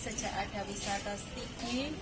sejak ada wisata setigi